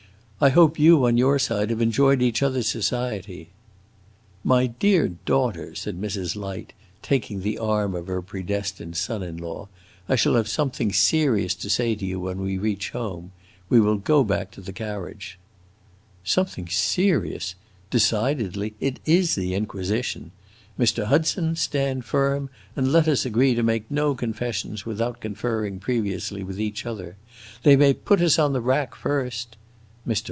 I hope you, on your side, have enjoyed each other's society." "My dear daughter," said Mrs. Light, taking the arm of her predestined son in law, "I shall have something serious to say to you when we reach home. We will go back to the carriage." "Something serious! Decidedly, it is the Inquisition. Mr. Hudson, stand firm, and let us agree to make no confessions without conferring previously with each other! They may put us on the rack first. Mr.